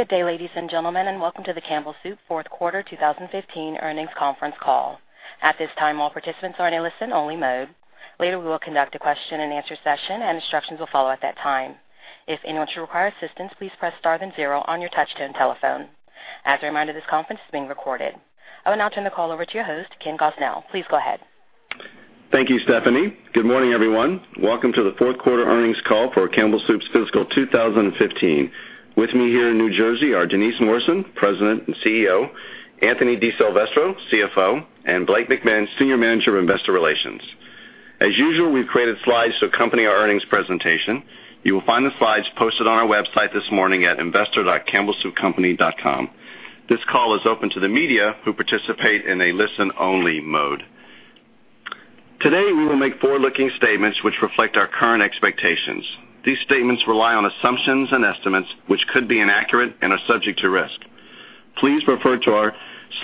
Good day, ladies and gentlemen, and welcome to the Campbell Soup fourth quarter 2015 earnings conference call. At this time, all participants are in a listen-only mode. Later, we will conduct a question and answer session, and instructions will follow at that time. If anyone should require assistance, please press star then zero on your touch-tone telephone. As a reminder, this conference is being recorded. I will now turn the call over to your host, Ken Gosnell. Please go ahead. Thank you, Stephanie. Good morning, everyone. Welcome to the fourth quarter earnings call for Campbell Soup's fiscal 2015. With me here in New Jersey are Denise Morrison, President and CEO, Anthony DiSilvestro, CFO, and Rebecca Gardy, Chief Investor Relations Officer. As usual, we've created slides to accompany our earnings presentation. You will find the slides posted on our website this morning at investor.campbellsoupcompany.com. This call is open to the media who participate in a listen-only mode. Today, we will make forward-looking statements which reflect our current expectations. These statements rely on assumptions and estimates, which could be inaccurate and are subject to risk. Please refer to our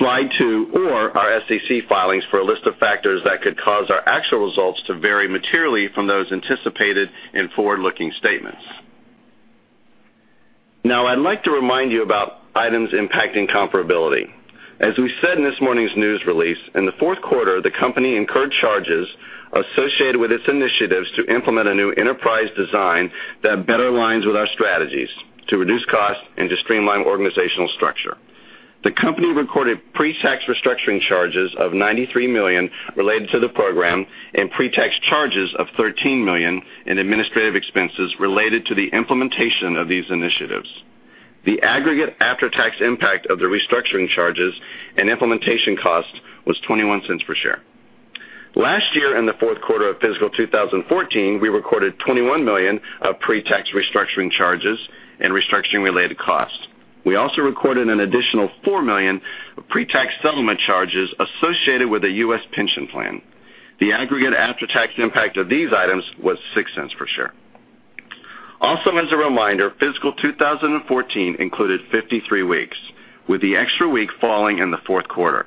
Slide two or our SEC filings for a list of factors that could cause our actual results to vary materially from those anticipated in forward-looking statements. Now, I'd like to remind you about items impacting comparability. As we said in this morning's news release, in the fourth quarter, the company incurred charges associated with its initiatives to implement a new enterprise design that better aligns with our strategies to reduce costs and to streamline organizational structure. The company recorded pre-tax restructuring charges of $93 million related to the program and pre-tax charges of $13 million in administrative expenses related to the implementation of these initiatives. The aggregate after-tax impact of the restructuring charges and implementation costs was $0.21 per share. Last year in the fourth quarter of fiscal 2014, we recorded $21 million of pre-tax restructuring charges and restructuring-related costs. We also recorded an additional $4 million of pre-tax settlement charges associated with the U.S. pension plan. The aggregate after-tax impact of these items was $0.06 per share. Also, as a reminder, fiscal 2014 included 53 weeks, with the extra week falling in the fourth quarter.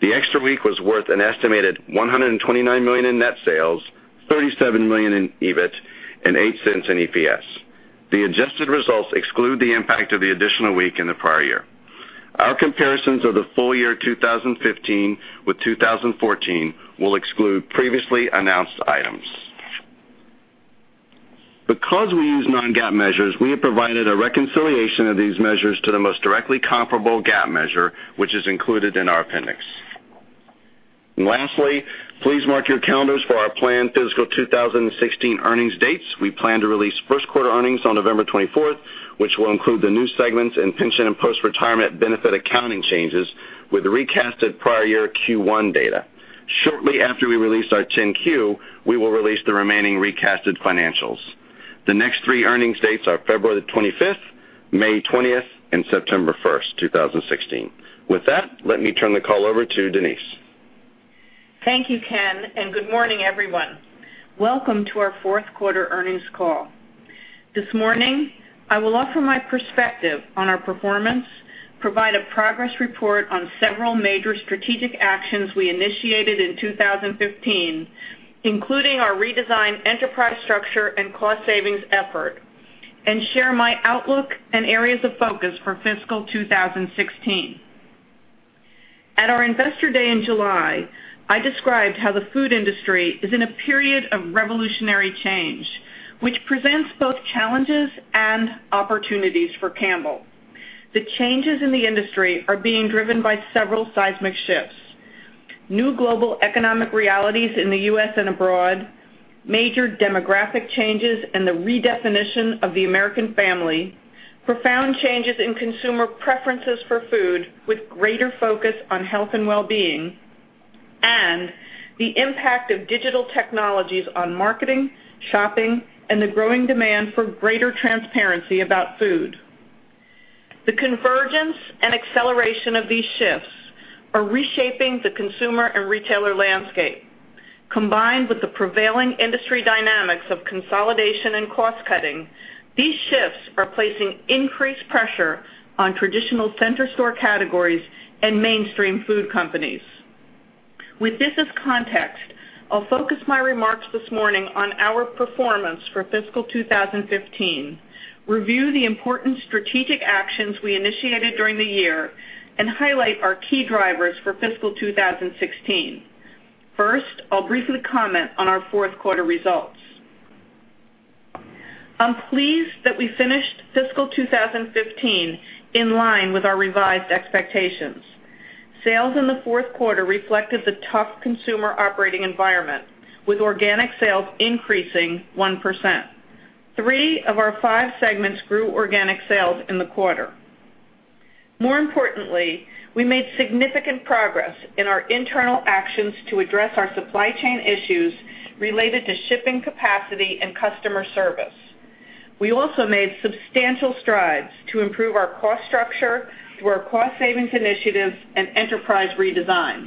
The extra week was worth an estimated $129 million in net sales, $37 million in EBIT, and $0.08 in EPS. The adjusted results exclude the impact of the additional week in the prior year. Our comparisons of the full year 2015 with 2014 will exclude previously announced items. Because we use non-GAAP measures, we have provided a reconciliation of these measures to the most directly comparable GAAP measure, which is included in our appendix. Lastly, please mark your calendars for our planned fiscal 2016 earnings dates. We plan to release first-quarter earnings on November 24th, which will include the new segments in pension and post-retirement benefit accounting changes with the recasted prior year Q1 data. Shortly after we release our 10-Q, we will release the remaining recasted financials. The next three earnings dates are February 25th, May 20th, and September 1st, 2016. With that, let me turn the call over to Denise. Thank you, Ken, and good morning, everyone. Welcome to our fourth quarter earnings call. This morning, I will offer my perspective on our performance, provide a progress report on several major strategic actions we initiated in 2015, including our redesigned enterprise structure and cost savings effort, and share my outlook and areas of focus for fiscal 2016. At our Investor Day in July, I described how the food industry is in a period of revolutionary change, which presents both challenges and opportunities for Campbell. The changes in the industry are being driven by several seismic shifts. New global economic realities in the U.S. and abroad, major demographic changes and the redefinition of the American family, profound changes in consumer preferences for food with greater focus on health and wellbeing, and the impact of digital technologies on marketing, shopping, and the growing demand for greater transparency about food. The convergence and acceleration of these shifts are reshaping the consumer and retailer landscape. Combined with the prevailing industry dynamics of consolidation and cost-cutting, these shifts are placing increased pressure on traditional center store categories and mainstream food companies. With this as context, I'll focus my remarks this morning on our performance for fiscal 2015, review the important strategic actions we initiated during the year, and highlight our key drivers for fiscal 2016. First, I'll briefly comment on our fourth quarter results. I'm pleased that we finished fiscal 2015 in line with our revised expectations. Sales in the fourth quarter reflected the tough consumer operating environment, with organic sales increasing 1%. Three of our five segments grew organic sales in the quarter. More importantly, we made significant progress in our internal actions to address our supply chain issues related to shipping capacity and customer service. We also made substantial strides to improve our cost structure through our cost savings initiatives and enterprise redesign.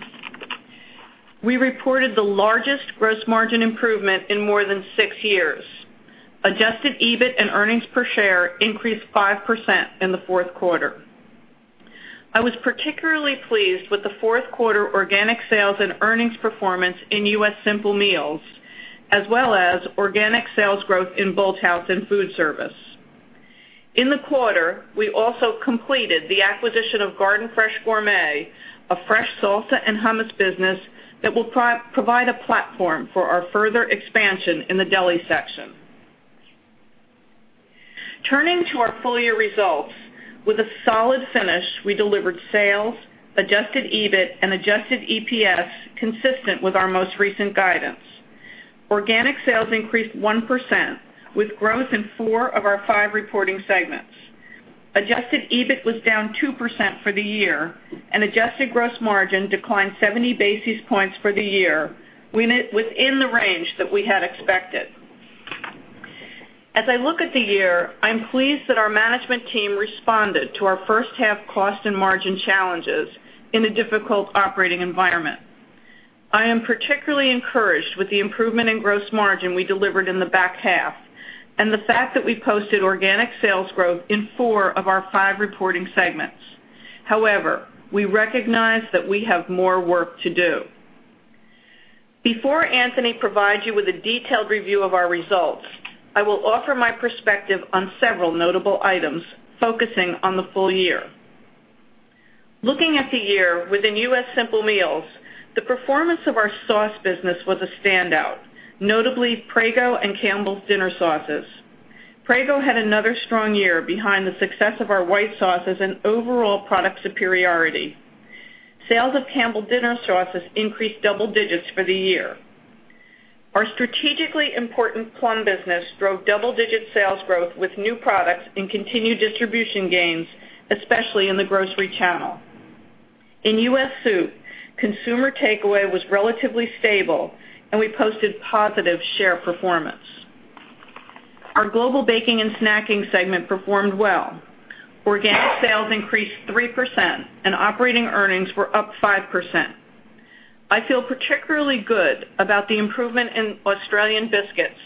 We reported the largest gross margin improvement in more than six years. Adjusted EBIT and earnings per share increased 5% in the fourth quarter. I was particularly pleased with the fourth quarter organic sales and earnings performance in U.S. Simple Meals, as well as organic sales growth in Bolthouse and Foodservice. In the quarter, we also completed the acquisition of Garden Fresh Gourmet, a fresh salsa and hummus business that will provide a platform for our further expansion in the deli section. Turning to our full-year results. With a solid finish, we delivered sales, adjusted EBIT, and adjusted EPS consistent with our most recent guidance. Organic sales increased 1%, with growth in four of our five reporting segments. Adjusted EBIT was down 2% for the year, and adjusted gross margin declined 70 basis points for the year, within the range that we had expected. As I look at the year, I'm pleased that our management team responded to our first half cost and margin challenges in a difficult operating environment. I am particularly encouraged with the improvement in gross margin we delivered in the back half, and the fact that we posted organic sales growth in four of our five reporting segments. We recognize that we have more work to do. Before Anthony provides you with a detailed review of our results, I will offer my perspective on several notable items, focusing on the full year. Looking at the year within U.S. Simple Meals, the performance of our sauce business was a standout, notably Prego and Campbell's dinner sauces. Prego had another strong year behind the success of our white sauces and overall product superiority. Sales of Campbell's dinner sauces increased double digits for the year. Our strategically important Plum business drove double-digit sales growth with new products and continued distribution gains, especially in the grocery channel. In U.S. Soup, consumer takeaway was relatively stable, and we posted positive share performance. Our Global Biscuits and Snacks segment performed well. Organic sales increased 3%, and operating earnings were up 5%. I feel particularly good about the improvement in Australian biscuits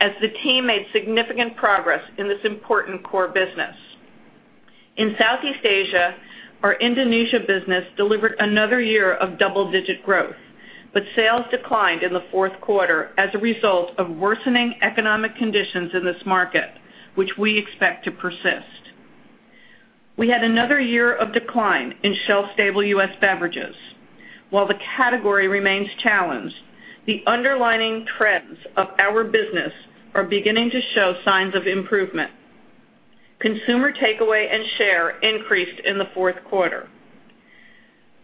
as the team made significant progress in this important core business. In Southeast Asia, our Indonesia business delivered another year of double-digit growth, but sales declined in the fourth quarter as a result of worsening economic conditions in this market, which we expect to persist. We had another year of decline in shelf-stable U.S. beverages. While the category remains challenged, the underlying trends of our business are beginning to show signs of improvement. Consumer takeaway and share increased in the fourth quarter.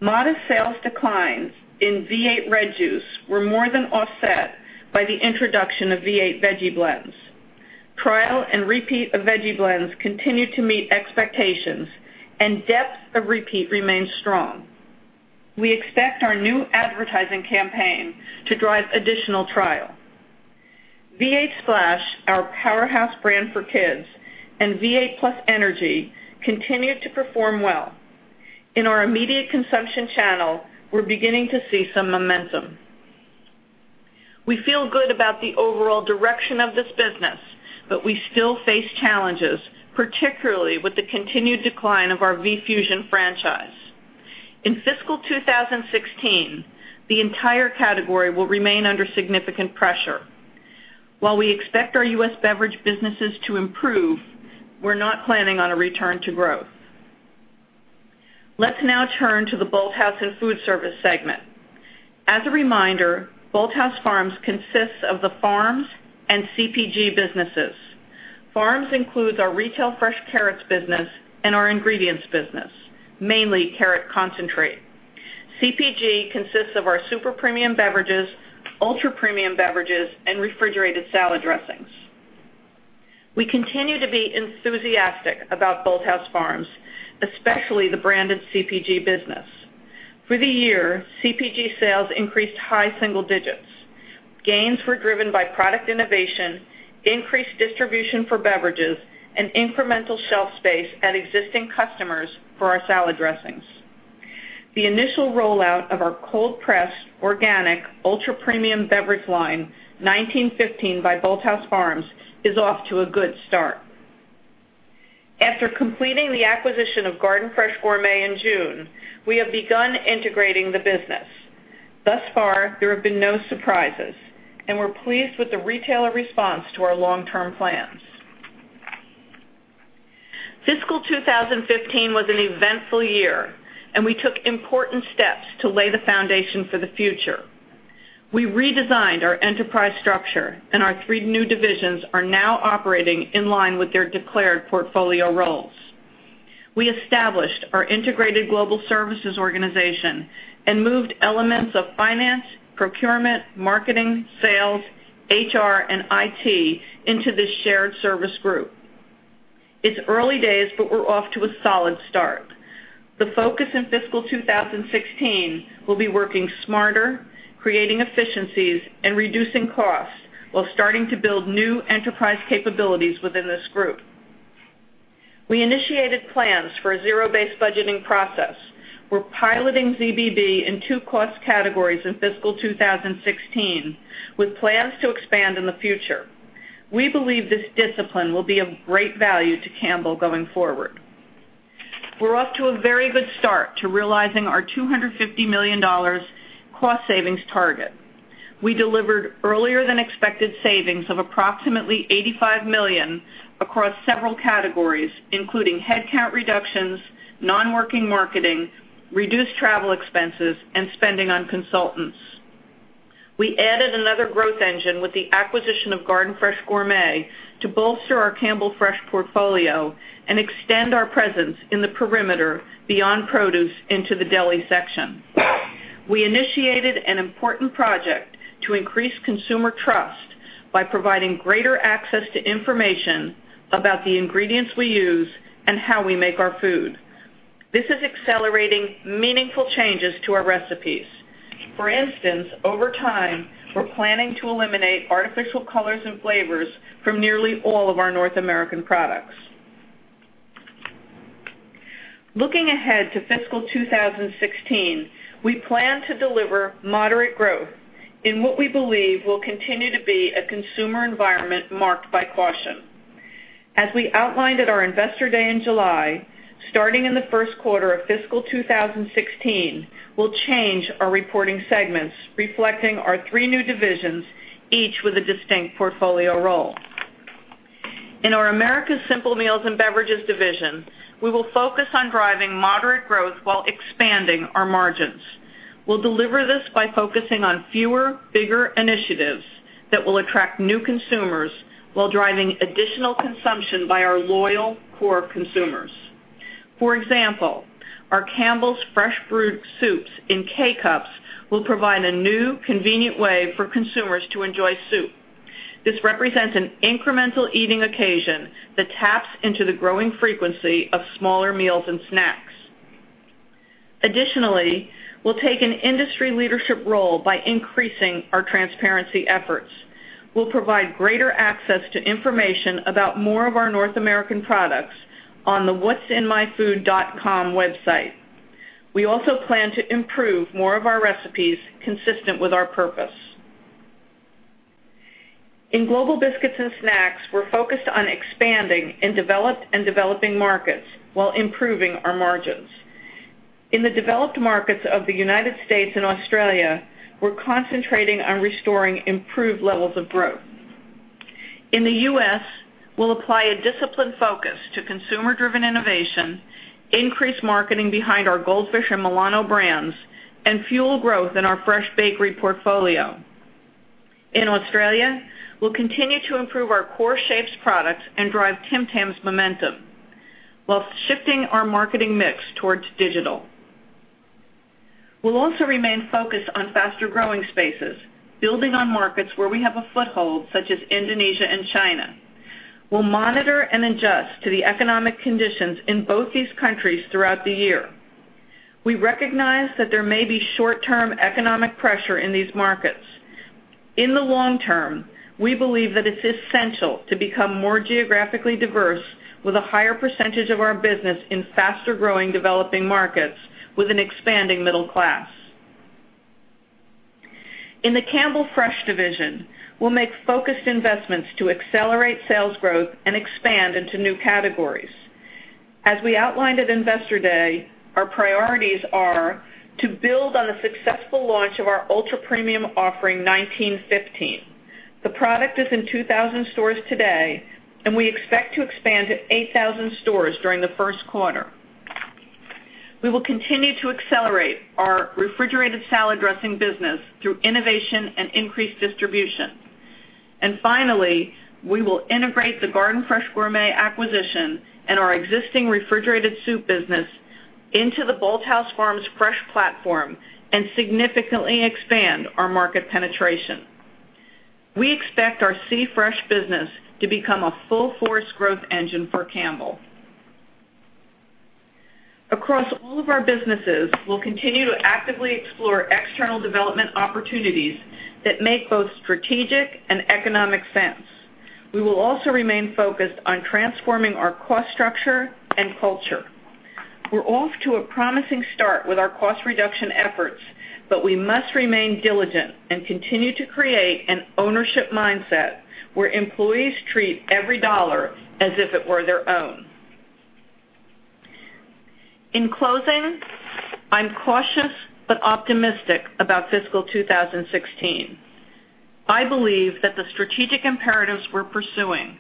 Modest sales declines in V8 Red Juice were more than offset by the introduction of V8 Veggie Blends. Trial and repeat of Veggie Blends continued to meet expectations, and depth of repeat remains strong. We expect our new advertising campaign to drive additional trial. V8 Splash, our powerhouse brand for kids, and V8 +Energy continued to perform well. In our immediate consumption channel, we're beginning to see some momentum. We feel good about the overall direction of this business, but we still face challenges, particularly with the continued decline of our V8 V-Fusion franchise. In fiscal 2016, the entire category will remain under significant pressure. While we expect our U.S. beverage businesses to improve, we're not planning on a return to growth. Let's now turn to the Bolthouse and Foodservice segment. As a reminder, Bolthouse Farms consists of the farms and CPG businesses. Farms includes our retail fresh carrots business and our ingredients business, mainly carrot concentrate. CPG consists of our super premium beverages, ultra premium beverages, and refrigerated salad dressings. We continue to be enthusiastic about Bolthouse Farms, especially the branded CPG business. For the year, CPG sales increased high single digits. Gains were driven by product innovation, increased distribution for beverages, and incremental shelf space at existing customers for our salad dressings. The initial rollout of our cold-pressed, organic, ultra-premium beverage line, 1915 by Bolthouse Farms, is off to a good start. After completing the acquisition of Garden Fresh Gourmet in June, we have begun integrating the business. Thus far, there have been no surprises, and we're pleased with the retailer response to our long-term plans. Fiscal 2015 was an eventful year, we took important steps to lay the foundation for the future. We redesigned our enterprise structure, our three new divisions are now operating in line with their declared portfolio roles. We established our integrated global services organization and moved elements of finance, procurement, marketing, sales, HR, and IT into this shared service group. It's early days, we're off to a solid start. The focus in fiscal 2016 will be working smarter, creating efficiencies, and reducing costs while starting to build new enterprise capabilities within this group. We initiated plans for a zero-based budgeting process. We're piloting ZBB in two cost categories in fiscal 2016, with plans to expand in the future. We believe this discipline will be of great value to Campbell going forward. We're off to a very good start to realizing our $250 million cost savings target. We delivered earlier-than-expected savings of approximately $85 million across several categories, including headcount reductions, non-working marketing, reduced travel expenses, and spending on consultants. We added another growth engine with the acquisition of Garden Fresh Gourmet to bolster our Campbell Fresh portfolio and extend our presence in the perimeter beyond produce into the deli section. We initiated an important project to increase consumer trust by providing greater access to information about the ingredients we use and how we make our food. This is accelerating meaningful changes to our recipes. For instance, over time, we're planning to eliminate artificial colors and flavors from nearly all of our North American products. Looking ahead to fiscal 2016, we plan to deliver moderate growth in what we believe will continue to be a consumer environment marked by caution. As we outlined at our Investor Day in July, starting in the first quarter of fiscal 2016, we'll change our reporting segments, reflecting our three new divisions, each with a distinct portfolio role. In our Americas Simple Meals and Beverages division, we will focus on driving moderate growth while expanding our margins. We'll deliver this by focusing on fewer, bigger initiatives that will attract new consumers while driving additional consumption by our loyal core consumers. For example, our Campbell's Fresh Brewed Soups in K-Cups will provide a new, convenient way for consumers to enjoy soup. This represents an incremental eating occasion that taps into the growing frequency of smaller meals and snacks. Additionally, we'll take an industry leadership role by increasing our transparency efforts. We'll provide greater access to information about more of our North American products on the whatsinmyfood.com website. We also plan to improve more of our recipes consistent with our purpose. In Global Biscuits and Snacks, we're focused on expanding in developed and developing markets while improving our margins. In the developed markets of the United States and Australia, we're concentrating on restoring improved levels of growth. In the U.S., we'll apply a disciplined focus to consumer-driven innovation, increase marketing behind our Goldfish and Milano brands, and fuel growth in our fresh bakery portfolio. In Australia, we'll continue to improve our core Shapes products and drive Tim Tam momentum whilst shifting our marketing mix towards digital. We'll also remain focused on faster-growing spaces, building on markets where we have a foothold, such as Indonesia and China. We'll monitor and adjust to the economic conditions in both these countries throughout the year. We recognize that there may be short-term economic pressure in these markets. In the long term, we believe that it's essential to become more geographically diverse with a higher percentage of our business in faster-growing developing markets with an expanding middle class. In the Campbell Fresh division, we'll make focused investments to accelerate sales growth and expand into new categories. As we outlined at Investor Day, our priorities are to build on the successful launch of our ultra-premium offering, 1915. The product is in 2,000 stores today, and we expect to expand to 8,000 stores during the first quarter. We will continue to accelerate our refrigerated salad dressing business through innovation and increased distribution. Finally, we will integrate the Garden Fresh Gourmet acquisition and our existing refrigerated soup business into the Bolthouse Farms fresh platform and significantly expand our market penetration. We expect our C Fresh business to become a full-force growth engine for Campbell. Across all of our businesses, we'll continue to actively explore external development opportunities that make both strategic and economic sense. We will also remain focused on transforming our cost structure and culture. We're off to a promising start with our cost reduction efforts, but we must remain diligent and continue to create an ownership mindset where employees treat every dollar as if it were their own. In closing, I'm cautious but optimistic about fiscal 2016. I believe that the strategic imperatives we're pursuing,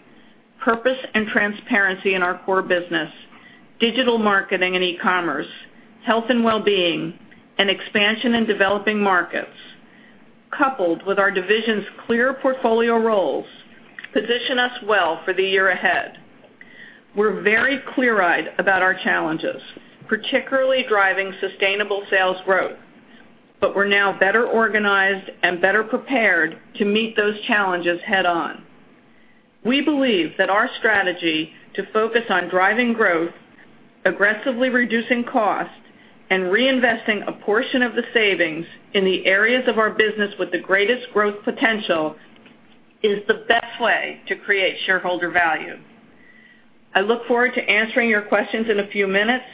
purpose and transparency in our core business, digital marketing and e-commerce, health and wellbeing, and expansion in developing markets, coupled with our divisions' clear portfolio roles, position us well for the year ahead. We're very clear-eyed about our challenges, particularly driving sustainable sales growth, but we're now better organized and better prepared to meet those challenges head-on. We believe that our strategy to focus on driving growth, aggressively reducing cost, and reinvesting a portion of the savings in the areas of our business with the greatest growth potential is the best way to create shareholder value. I look forward to answering your questions in a few minutes.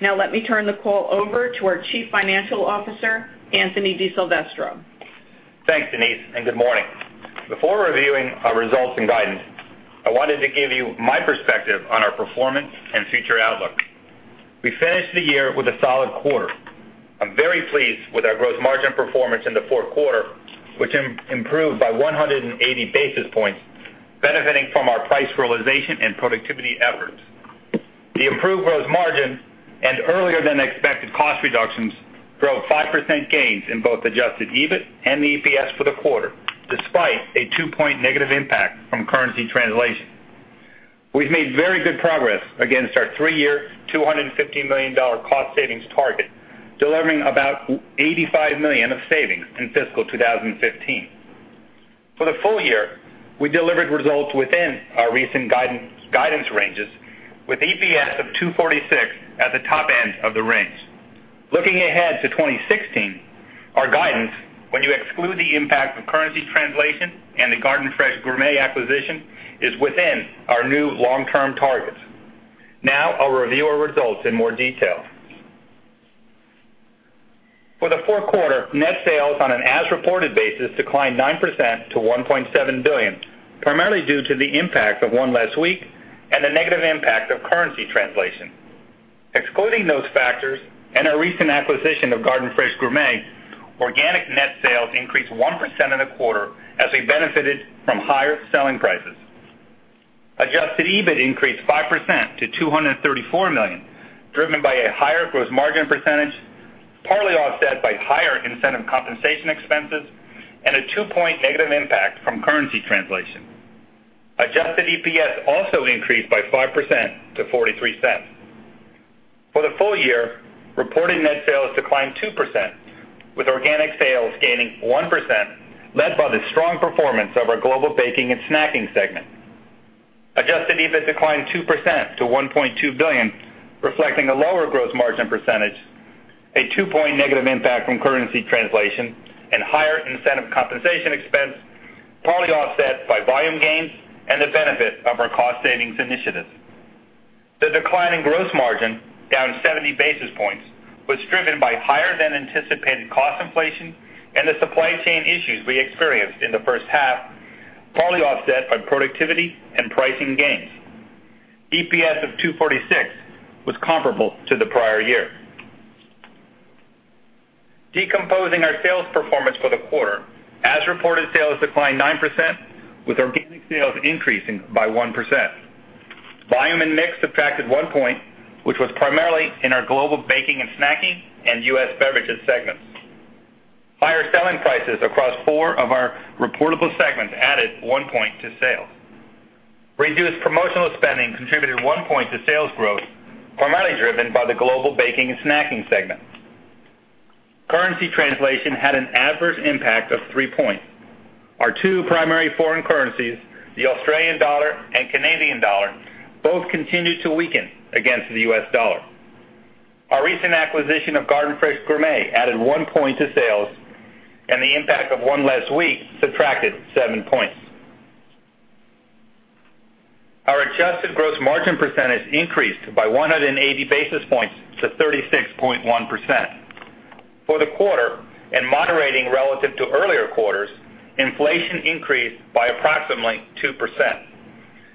Now let me turn the call over to our Chief Financial Officer, Anthony DiSilvestro. Thanks, Denise, and good morning. Before reviewing our results and guidance, I wanted to give you my perspective on our performance and future outlook. We finished the year with a solid quarter. I'm very pleased with our gross margin performance in the fourth quarter, which improved by 180 basis points, benefiting from our price realization and productivity efforts. The improved gross margin and earlier-than-expected cost reductions drove 5% gains in both adjusted EBIT and the EPS for the quarter, despite a 2-point negative impact from currency translation. We've made very good progress against our 3-year, $250 million cost savings target, delivering about $85 million of savings in fiscal 2015. For the full year, we delivered results within our recent guidance ranges with EPS of $2.46 at the top end of the range. Looking ahead to 2016, our guidance, when you exclude the impact of currency translation and the Garden Fresh Gourmet acquisition, is within our new long-term targets. I'll review our results in more detail. For the fourth quarter, net sales on an as reported basis declined 9% to $1.7 billion, primarily due to the impact of one less week and the negative impact of currency translation. Excluding those factors and our recent acquisition of Garden Fresh Gourmet, organic net sales increased 1% in the quarter as we benefited from higher selling prices. Adjusted EBIT increased 5% to $234 million, driven by a higher gross margin percentage, partly offset by higher incentive compensation expenses and a two-point negative impact from currency translation. Adjusted EPS also increased by 5% to $0.43. For the full year, reported net sales declined 2%, with organic sales gaining 1%, led by the strong performance of our global baking and snacking segment. Adjusted EBIT declined 2% to $1.2 billion, reflecting a lower gross margin percentage, a two-point negative impact from currency translation, and higher incentive compensation expense, partly offset by volume gains and the benefit of our cost savings initiatives. The decline in gross margin, down 70 basis points, was driven by higher-than-anticipated cost inflation and the supply chain issues we experienced in the first half, partly offset by productivity and pricing gains. EPS of $2.46 was comparable to the prior year. Decomposing our sales performance for the quarter, as reported, sales declined 9%, with organic sales increasing by 1%. Volume and mix subtracted one point, which was primarily in our global baking and snacking and US Beverages segments. Higher selling prices across four of our reportable segments added one point to sales. Reduced promotional spending contributed one point to sales growth, primarily driven by the global baking and snacking segment. Currency translation had an adverse impact of three points. Our two primary foreign currencies, the Australian dollar and Canadian dollar, both continued to weaken against the US dollar. Our recent acquisition of Garden Fresh Gourmet added one point to sales, and the impact of one less week subtracted seven points. Our adjusted gross margin percentage increased by 180 basis points to 36.1%. For the quarter, and moderating relative to earlier quarters, inflation increased by approximately 2%.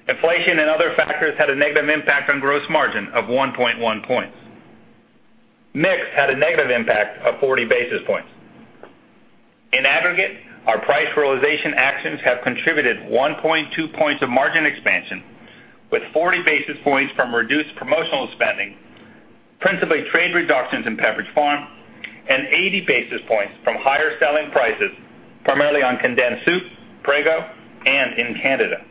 Inflation and other factors had a negative impact on gross margin of 1.1 points. Mix had a negative impact of 40 basis points. In aggregate, our price realization actions have contributed 1.2 points of margin expansion, with 40 basis points from reduced promotional spending, principally trade reductions in Pepperidge Farm, and 80 basis points from higher selling prices, primarily on condensed soup, Prego, and in Canada.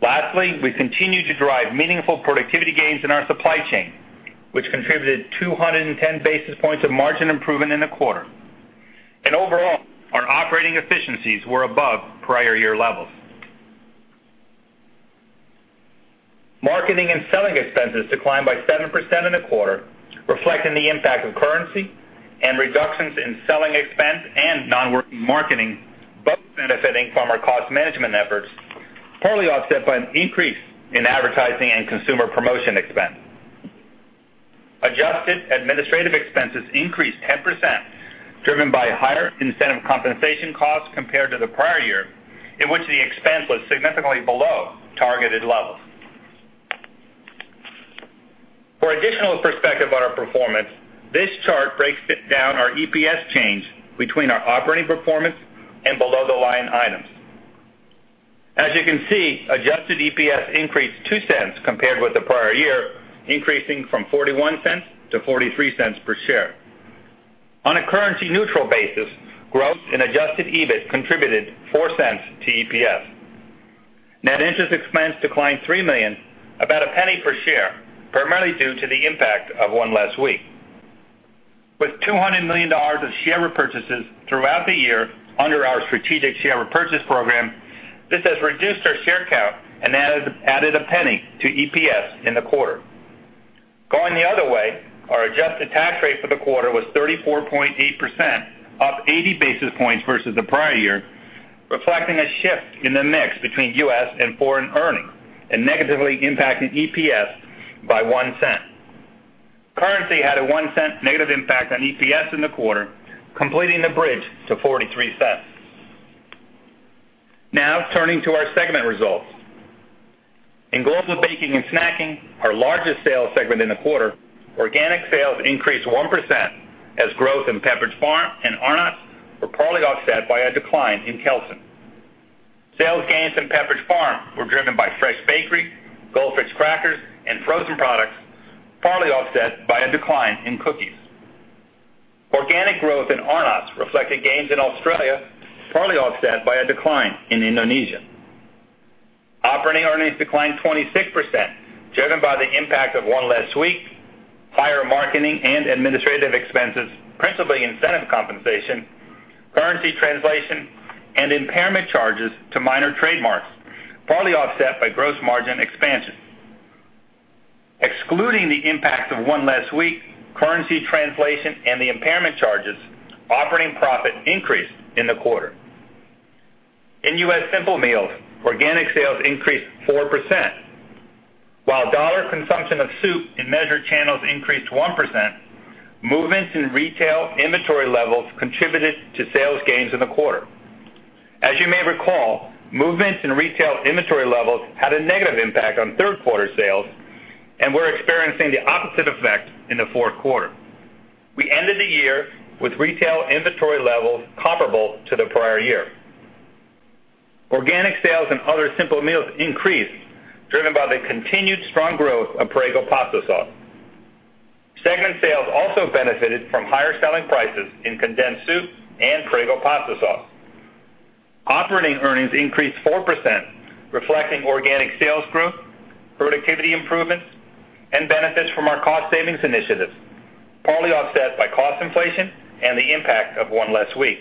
Lastly, we continue to drive meaningful productivity gains in our supply chain, which contributed 210 basis points of margin improvement in the quarter. And overall, our operating efficiencies were above prior year levels. Marketing and selling expenses declined by 7% in the quarter, reflecting the impact of currency and reductions in selling expense and non-working marketing, both benefiting from our cost management efforts, partly offset by an increase in advertising and consumer promotion expense. Adjusted administrative expenses increased 10%, driven by higher incentive compensation costs compared to the prior year in which the expense was significantly below targeted levels. For additional perspective on our performance, this chart breaks down our EPS change between our operating performance and below the line items. As you can see, adjusted EPS increased $0.02 compared with the prior year, increasing from $0.41 to $0.43 per share. On a currency-neutral basis, growth in adjusted EBIT contributed $0.04 to EPS. Net interest expense declined $3 million, about $0.01 per share, primarily due to the impact of one less week. With $200 million of share repurchases throughout the year under our strategic share repurchase program, this has reduced our share count and added $0.01 to EPS in the quarter. Going the other way, our adjusted tax rate for the quarter was 34.8%, up 80 basis points versus the prior year, reflecting a shift in the mix between U.S. and foreign earnings and negatively impacting EPS by $0.01. Currency had a $0.01 negative impact on EPS in the quarter, completing the bridge to $0.43. Now turning to our segment results. In Global Biscuits and Snacks, our largest sales segment in the quarter, organic sales increased 1% as growth in Pepperidge Farm and Arnott's were partly offset by a decline in Kelsen. Sales gains in Pepperidge Farm were driven by fresh bakery, Goldfish crackers, and frozen products, partly offset by a decline in cookies. Organic growth in Arnott's reflected gains in Australia, partly offset by a decline in Indonesia. Operating earnings declined 26%, driven by the impact of one less week, higher marketing and administrative expenses, principally incentive compensation, currency translation, and impairment charges to minor trademarks, partly offset by gross margin expansion. Excluding the impact of one less week, currency translation, and the impairment charges, operating profit increased in the quarter. In U.S. Simple Meals, organic sales increased 4%. While dollar consumption of soup in measured channels increased 1%, movements in retail inventory levels contributed to sales gains in the quarter. As you may recall, movements in retail inventory levels had a negative impact on third-quarter sales, and we're experiencing the opposite effect in the fourth quarter. We ended the year with retail inventory levels comparable to the prior year. Organic sales in Other Simple Meals increased, driven by the continued strong growth of Prego pasta sauce. Segment sales also benefited from higher selling prices in condensed soups and Prego pasta sauce. Operating earnings increased 4%, reflecting organic sales growth, productivity improvements, and benefits from our cost savings initiatives, partly offset by cost inflation and the impact of one less week.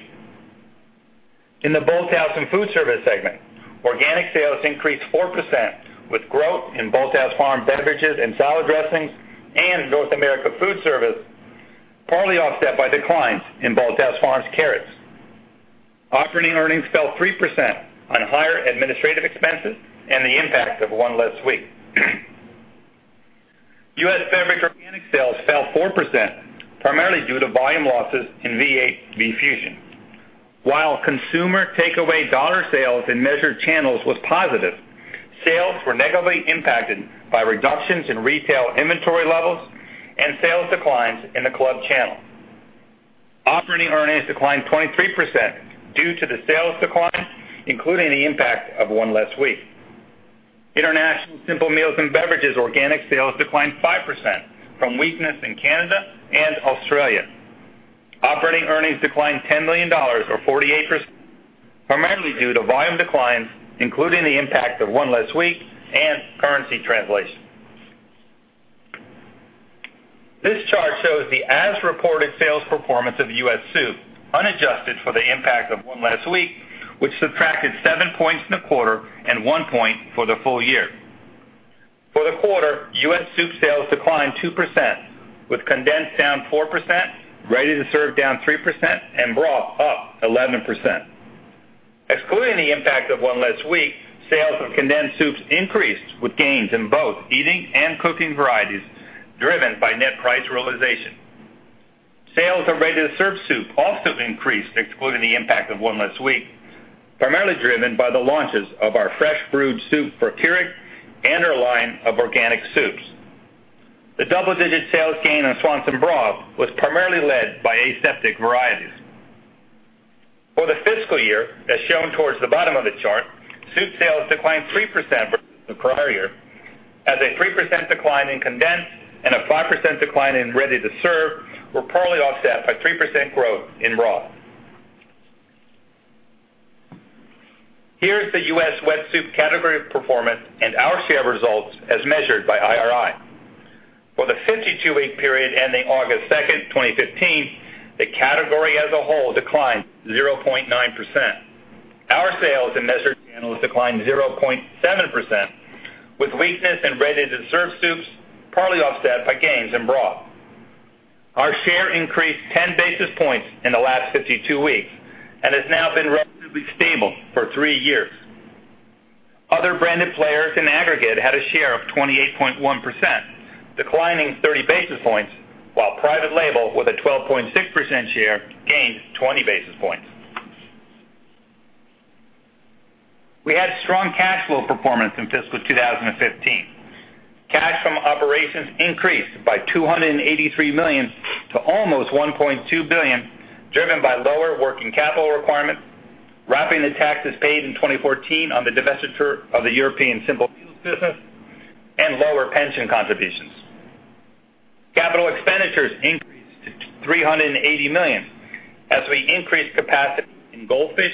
In the Bolthouse and Foodservice segment, organic sales increased 4%, with growth in Bolthouse Farms beverages and salad dressings and in North America Foodservice, partly offset by declines in Bolthouse Farms carrots. Operating earnings fell 3% on higher administrative expenses and the impact of one less week. U.S. Beverages organic sales fell 4%, primarily due to volume losses in V8 V-Fusion. While consumer takeaway dollar sales in measured channels was positive, sales were negatively impacted by reductions in retail inventory levels and sales declines in the club channel. Operating earnings declined 23% due to the sales declines, including the impact of one less week. International Simple Meals and Beverages organic sales declined 5% from weakness in Canada and Australia. Operating earnings declined $10 million or 48%, primarily due to volume declines, including the impact of one less week and currency translation. This chart shows the as-reported sales performance of U.S. Soup, unadjusted for the impact of one less week, which subtracted 7 points in the quarter and 1 point for the full year. For the quarter, U.S. Soup sales declined 2%, with condensed down 4%, ready-to-serve down 3%, and broth up 11%. Excluding the impact of one less week, sales of condensed soups increased, with gains in both eating and cooking varieties, driven by net price realization. Sales of ready-to-serve soup also increased, excluding the impact of one less week, primarily driven by the launches of our Campbell's Fresh Brewed Soups for Keurig and our line of organic soups. The double-digit sales gain in Swanson broth was primarily led by aseptic varieties. For the fiscal year, as shown towards the bottom of the chart, soup sales declined 3% versus the prior year as a 3% decline in condensed and a 5% decline in ready-to-serve were partly offset by 3% growth in broth. Here is the U.S. wet soup category performance and our share results as measured by IRI. For the 52-week period ending August 2nd, 2015, the category as a whole declined 0.9%. Our sales in measured channels declined 0.7%, with weakness in ready-to-serve soups partly offset by gains in broth. Our share increased 10 basis points in the last 52 weeks and has now been relatively stable for three years. Other branded players in aggregate had a share of 28.1%, declining 30 basis points, while private label, with a 12.6% share, gained 20 basis points. We had strong cash flow performance in fiscal 2015. Cash from operations increased by $283 million to almost $1.2 billion, driven by lower working capital requirements, ramping the taxes paid in 2014 on the divestiture of the European Simple Meals business, and lower pension contributions. Capital expenditures increased to $380 million as we increased capacity in Goldfish,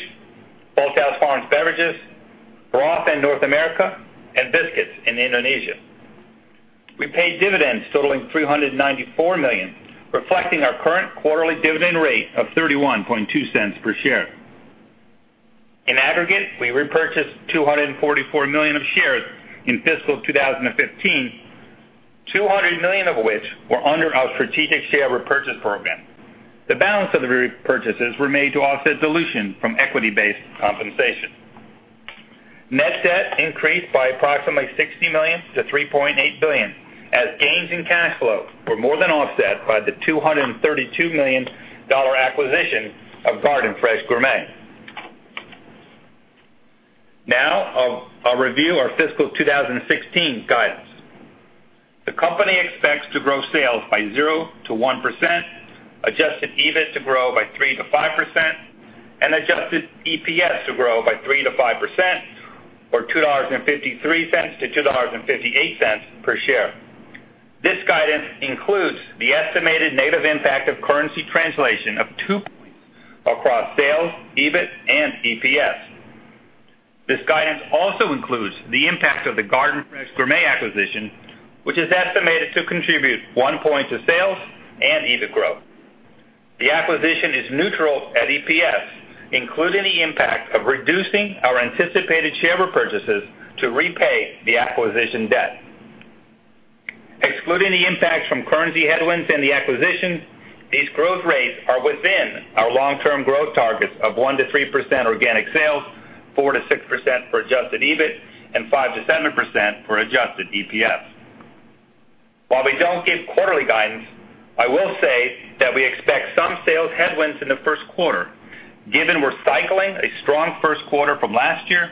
Bolthouse Farms beverages, broth in North America, and biscuits in Indonesia. We paid dividends totaling $394 million, reflecting our current quarterly dividend rate of $0.312 per share. In aggregate, we repurchased $244 million of shares in fiscal 2015, $200 million of which were under our strategic share repurchase program. The balance of the repurchases were made to offset dilution from equity-based compensation. Net debt increased by approximately $60 million to $3.8 billion as gains in cash flow were more than offset by the $232 million acquisition of Garden Fresh Gourmet. Now, I'll review our fiscal 2016 guidance. The company expects to grow sales by 0%-1%, adjusted EBIT to grow by 3%-5%, and adjusted EPS to grow by 3%-5%, or $2.53 to $2.58 per share. This guidance includes the estimated negative impact of currency translation of 2 points across sales, EBIT, and EPS. This guidance also includes the impact of the Garden Fresh Gourmet acquisition, which is estimated to contribute 1 point to sales and EBIT growth. The acquisition is neutral at EPS, including the impact of reducing our anticipated share repurchases to repay the acquisition debt. Excluding the impact from currency headwinds and the acquisitions, these growth rates are within our long-term growth targets of 1%-3% organic sales, 4%-6% for adjusted EBIT, and 5%-7% for adjusted EPS. While we don't give quarterly guidance, I will say that we expect some sales headwinds in the first quarter, given we're cycling a strong first quarter from last year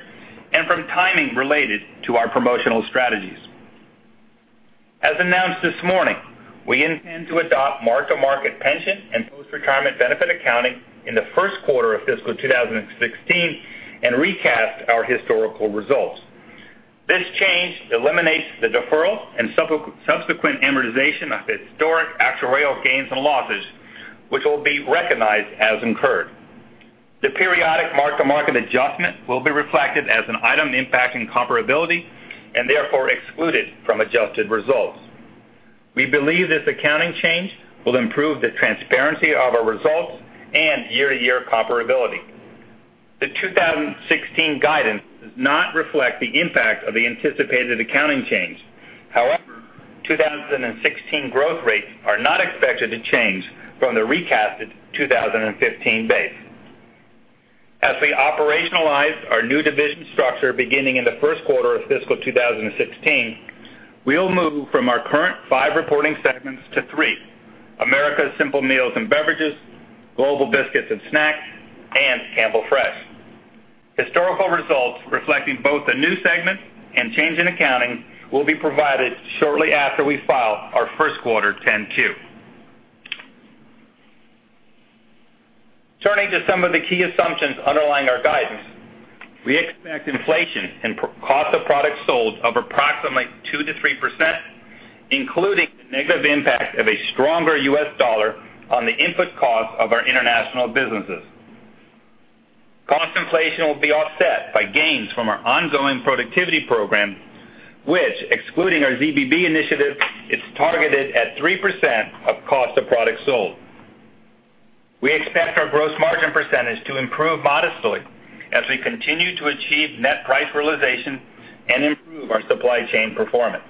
and from timing related to our promotional strategies. As announced this morning, we intend to adopt mark-to-market pension and post-retirement benefit accounting in the first quarter of fiscal 2016 and recast our historical results. This change eliminates the deferral and subsequent amortization of historic actuarial gains and losses, which will be recognized as incurred. The periodic mark-to-market adjustment will be reflected as an item impacting comparability and therefore excluded from adjusted results. We believe this accounting change will improve the transparency of our results and year-to-year comparability. The 2016 guidance does not reflect the impact of the anticipated accounting change. 2016 growth rates are not expected to change from the recasted 2015 base. As we operationalize our new division structure beginning in the first quarter of fiscal 2016, we'll move from our current five reporting segments to three: Americas Simple Meals and Beverages, Global Biscuits and Snacks, and Campbell Fresh. Historical results reflecting both the new segment and change in accounting will be provided shortly after we file our first quarter 10-Q. Turning to some of the key assumptions underlying our guidance, we expect inflation and cost of products sold of approximately 2%-3%, including the negative impact of a stronger US dollar on the input cost of our international businesses. Cost inflation will be offset by gains from our ongoing productivity program, which excluding our ZBB initiative, is targeted at 3% of cost of products sold. We expect our gross margin % to improve modestly as we continue to achieve net price realization and improve our supply chain performance.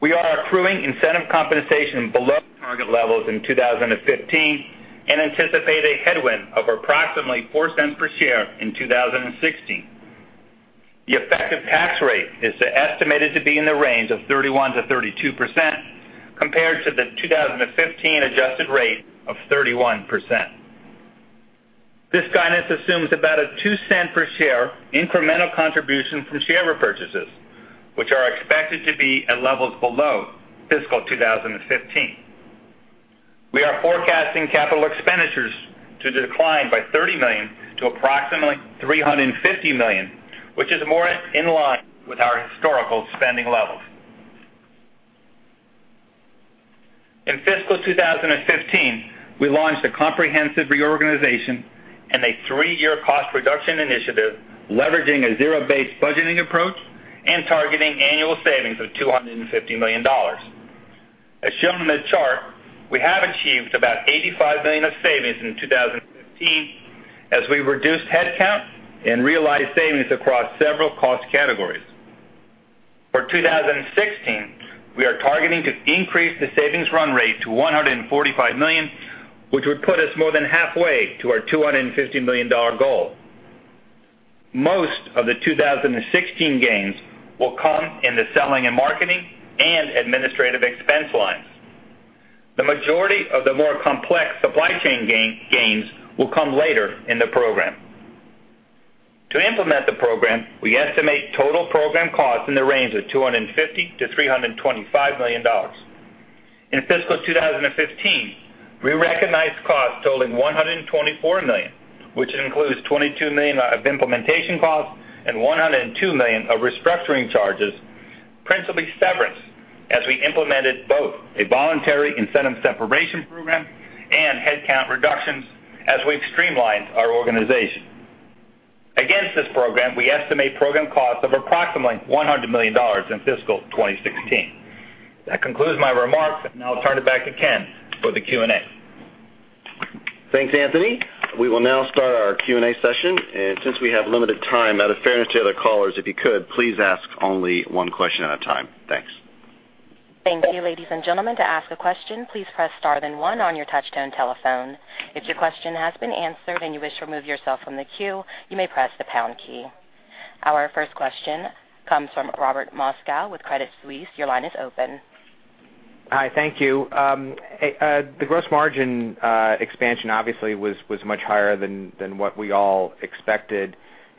We are accruing incentive compensation below target levels in 2015 and anticipate a headwind of approximately $0.04 per share in 2016. The effective tax rate is estimated to be in the range of 31%-32%, compared to the 2015 adjusted rate of 31%. This guidance assumes about a $0.02 per share incremental contribution from share repurchases, which are expected to be at levels below fiscal 2015. We are forecasting capital expenditures to decline by $30 million to approximately $350 million, which is more in line with our historical spending levels. In fiscal 2015, we launched a comprehensive reorganization and a three-year cost reduction initiative leveraging a zero-based budgeting approach and targeting annual savings of $250 million. As shown in the chart, we have achieved about $85 million of savings in 2015 as we reduced headcount and realized savings across several cost categories. For 2016, we are targeting to increase the savings run rate to $145 million, which would put us more than halfway to our $250 million goal. Most of the 2016 gains will come in the selling and marketing and administrative expense lines. The majority of the more complex supply chain gains will come later in the program. To implement the program, we estimate total program costs in the range of $250 million-$325 million. In fiscal 2015, we recognized costs totaling $124 million, which includes $22 million of implementation costs and $102 million of restructuring charges, principally severance, as we implemented both a voluntary incentive separation program and headcount reductions as we've streamlined our organization. Against this program, we estimate program costs of approximately $100 million in fiscal 2016. That concludes my remarks, and now I'll turn it back to Ken for the Q&A. Thanks, Anthony. We will now start our Q&A session. Since we have limited time, out of fairness to other callers, if you could, please ask only one question at a time. Thanks. Thank you, ladies and gentlemen. To ask a question, please press star then one on your touch-tone telephone. If your question has been answered and you wish to remove yourself from the queue, you may press the pound key. Our first question comes from Robert Moskow with Credit Suisse. Your line is open. Hi, thank you. The gross margin expansion obviously was much higher than what we all expected.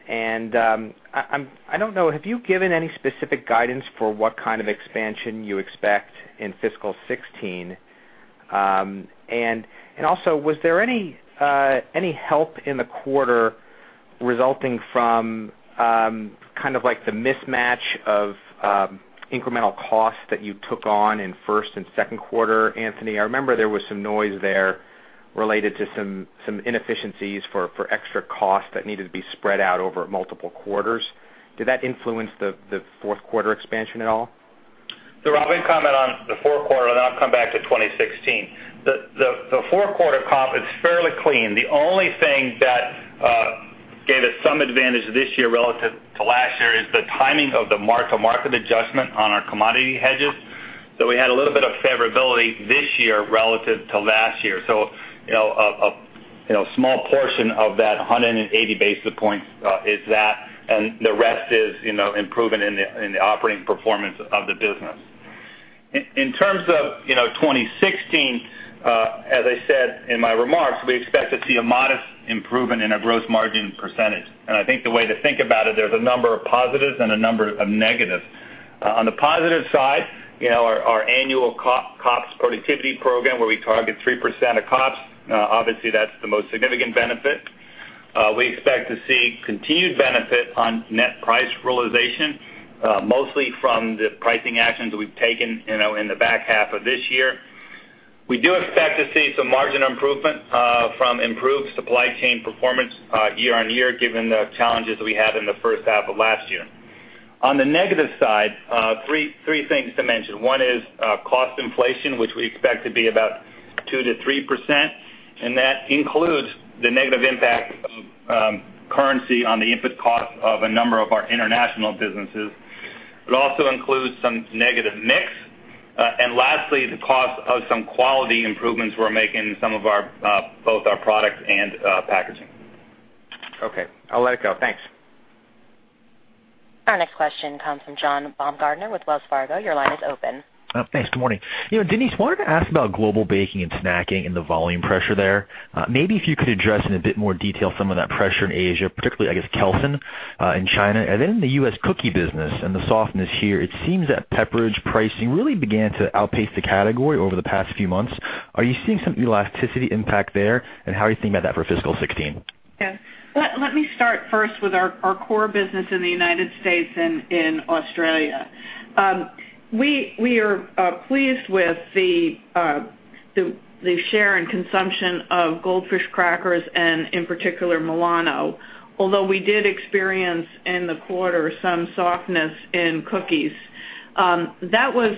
I don't know, have you given any specific guidance for what kind of expansion you expect in fiscal 2016? Also, was there any help in the quarter resulting from the mismatch of incremental costs that you took on in first and second quarter, Anthony? I remember there was some noise there related to some inefficiencies for extra costs that needed to be spread out over multiple quarters. Did that influence the fourth quarter expansion at all? Rob, I'll comment on the fourth quarter. Then I'll come back to 2016. The fourth quarter comp is fairly clean. The only thing that gave us some advantage this year relative to last year is the timing of the mark-to-market adjustment on our commodity hedges. We had a little bit of favorability this year relative to last year. A small portion of that 180 basis points is that, and the rest is improvement in the operating performance of the business. In terms of 2016, as I said in my remarks, we expect to see a modest improvement in our growth margin percentage. I think the way to think about it, there's a number of positives and a number of negatives. On the positive side, our annual COPS productivity program, where we target 3% of COPS, obviously, that's the most significant benefit. We expect to see continued benefit on net price realization, mostly from the pricing actions we've taken in the back half of this year. We do expect to see some marginal improvement from improved supply chain performance year-over-year, given the challenges we had in the first half of last year. On the negative side, three things to mention. One is cost inflation, which we expect to be about 2% to 3%, and that includes the negative impact of currency on the input cost of a number of our international businesses. It also includes some negative mix. Lastly, the cost of some quality improvements we're making, some of both our product and packaging. Okay, I'll let it go. Thanks. Our next question comes from John Baumgartner with Wells Fargo. Your line is open. Thanks. Good morning. Denise, wanted to ask about Global Biscuits and Snacks and the volume pressure there. Maybe if you could address in a bit more detail some of that pressure in Asia, particularly I guess, Kelsen in China, and then the U.S. cookie business and the softness here. It seems that Pepperidge pricing really began to outpace the category over the past few months. Are you seeing some elasticity impact there? How are you thinking about that for fiscal 2016? Let me start first with our core business in the U.S. and in Australia. We are pleased with the share and consumption of Goldfish crackers and in particular, Milano. We did experience in the quarter some softness in cookies. That was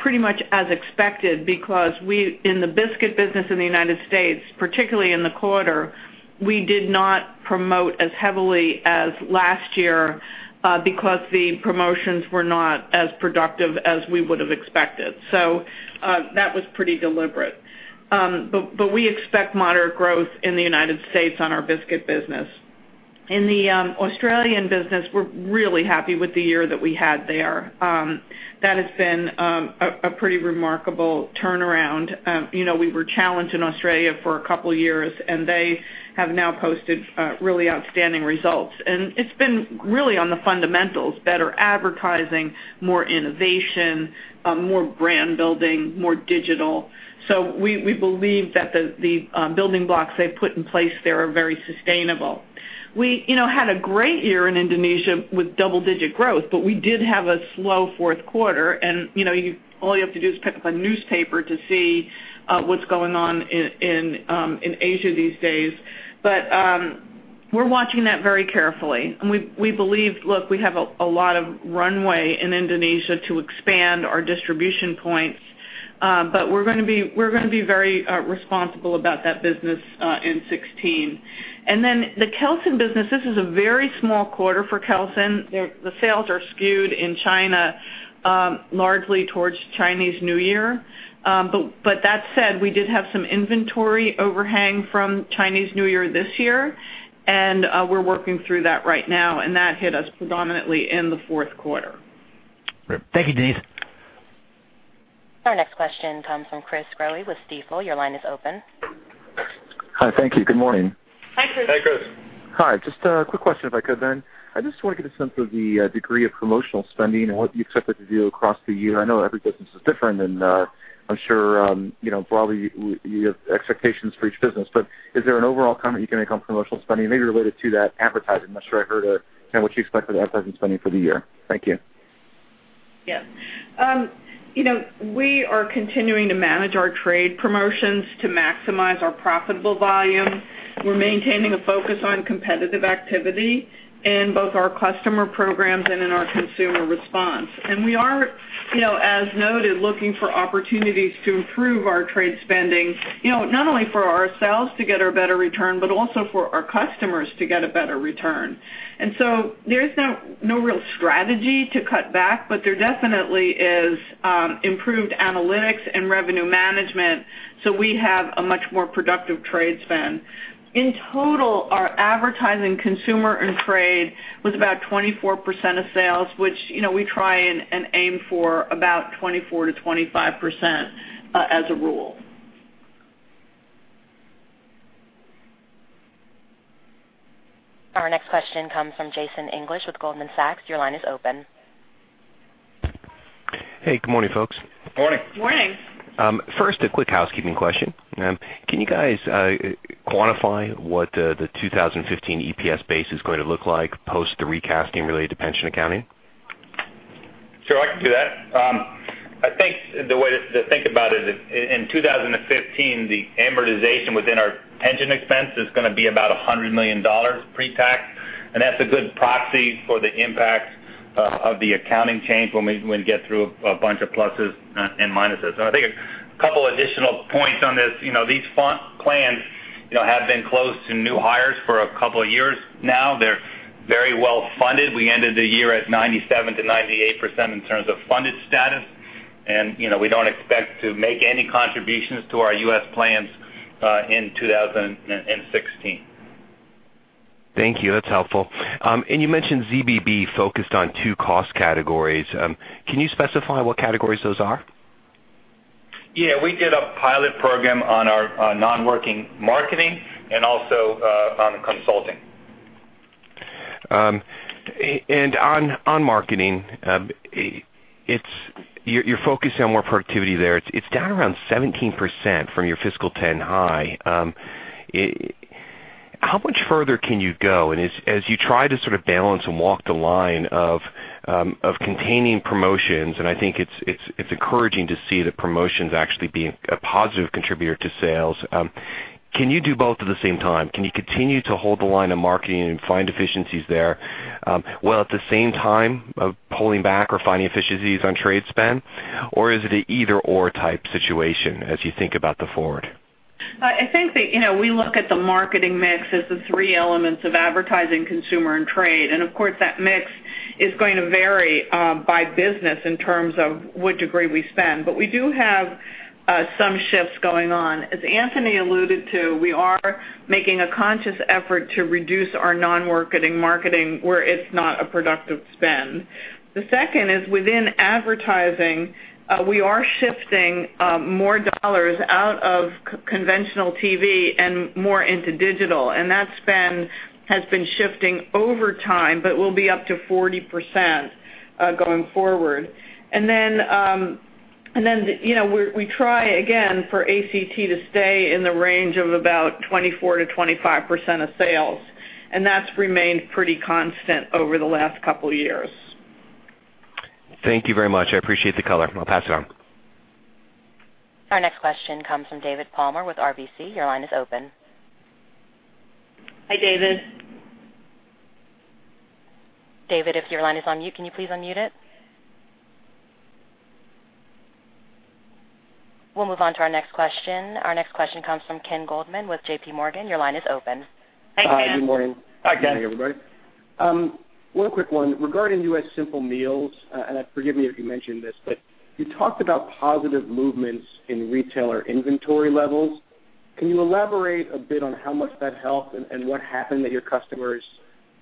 pretty much as expected because in the biscuit business in the U.S., particularly in the quarter, we did not promote as heavily as last year because the promotions were not as productive as we would have expected. That was pretty deliberate. We expect moderate growth in the U.S. on our biscuit business. In the Australian business, we're really happy with the year that we had there. That has been a pretty remarkable turnaround. We were challenged in Australia for a couple of years, and they have now posted really outstanding results. It's been really on the fundamentals, better advertising, more innovation, more brand building, more digital. We believe that the building blocks they've put in place there are very sustainable. We had a great year in Indonesia with double-digit growth. We did have a slow fourth quarter, all you have to do is pick up a newspaper to see what's going on in Asia these days. We're watching that very carefully. We believe, look, we have a lot of runway in Indonesia to expand our distribution points. We're going to be very responsible about that business in 2016. The Kelsen business, this is a very small quarter for Kelsen. The sales are skewed in China, largely towards Chinese New Year. That said, we did have some inventory overhang from Chinese New Year this year. We're working through that right now. That hit us predominantly in the fourth quarter. Great. Thank you, Denise. Our next question comes from Chris Growe with Stifel. Your line is open. Hi. Thank you. Good morning. Hi, Chris. Hi, Chris. Hi, just a quick question if I could. I just want to get a sense of the degree of promotional spending and what you expect it to do across the year. I know every business is different. I'm sure broadly you have expectations for each business, but is there an overall comment you can make on promotional spending? Maybe related to that, advertising. I'm not sure I heard what you expect for the advertising spending for the year. Thank you. Yes. We are continuing to manage our trade promotions to maximize our profitable volume. We're maintaining a focus on competitive activity in both our customer programs and in our consumer response. We are, as noted, looking for opportunities to improve our trade spending, not only for ourselves to get a better return, but also for our customers to get a better return. There is no real strategy to cut back, but there definitely is improved analytics and revenue management, so we have a much more productive trade spend. In total, our Advertising, Consumer, and Trade was about 24% of sales, which we try and aim for about 24%-25% as a rule. Our next question comes from Jason English with Goldman Sachs. Your line is open. Hey, good morning, folks. Good morning. Good morning. First, a quick housekeeping question. Can you guys quantify what the 2015 EPS base is going to look like post the recasting related to pension accounting? Sure, I can do that. I think the way to think about it is, in 2015, the amortization within our pension expense is going to be about $100 million pre-tax. That's a good proxy for the impact of the accounting change when we get through a bunch of pluses and minuses. I think a couple additional points on this. These plans have been closed to new hires for a couple of years now. They're very well-funded. We ended the year at 97%-98% in terms of funded status. We don't expect to make any contributions to our U.S. plans in 2016. Thank you. That's helpful. You mentioned ZBB focused on 2 cost categories. Can you specify what categories those are? Yeah. We did a pilot program on our non-working marketing and also on consulting. On marketing, you're focused on more productivity there. It's down around 17% from your fiscal 2010 high. How much further can you go? As you try to sort of balance and walk the line of containing promotions, I think it's encouraging to see the promotions actually being a positive contributor to sales, can you do both at the same time? Can you continue to hold the line of marketing and find efficiencies there, while at the same time pulling back or finding efficiencies on trade spend? Is it an either/or type situation as you think about the forward? I think that we look at the marketing mix as the 3 elements of advertising, consumer, and trade. Of course, that mix is going to vary by business in terms of what degree we spend. We do have some shifts going on. As Anthony alluded to, we are making a conscious effort to reduce our non-working marketing where it's not a productive spend. The second is within advertising, we are shifting more dollars out of conventional TV and more into digital, that spend has been shifting over time, but will be up to 40% going forward. Then, we try again for ACT to stay in the range of about 24%-25% of sales, that's remained pretty constant over the last couple of years. Thank you very much. I appreciate the color. I'll pass it on. Our next question comes from David Palmer with RBC. Your line is open. Hi, David. David, if your line is on mute, can you please unmute it? We'll move on to our next question. Our next question comes from Ken Goldman with J.P. Morgan. Your line is open. Hi, Ken. Hi, good morning. Hi, Ken. Good morning, everybody. One quick one. Regarding U.S. Simple Meals, forgive me if you mentioned this, but you talked about positive movements in retailer inventory levels. Can you elaborate a bit on how much that helped and what happened that your customers,